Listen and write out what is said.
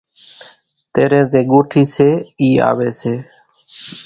تيرين زين ڳوٺِي سي اِي آوي سي